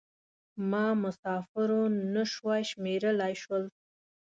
ما مسافر و نه شوای شمېرلای شول.